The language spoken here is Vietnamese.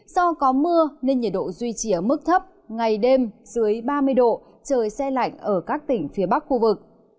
do có mưa nên nhiệt độ duy trì ở mức thấp ngày đêm dưới ba mươi độ trời xe lạnh ở các tỉnh phía bắc khu vực